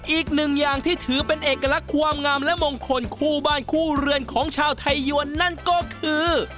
อีกหนึ่งอย่างที่ถือเป็นเอกลักษณ์ความงามและมงคลคู่บ้านคู่เรือนของชาวไทยยวนนั่นก็คือ